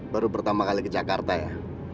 baru pertama kali ke jakarta ya